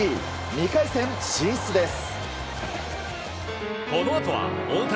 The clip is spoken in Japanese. ２回戦進出です。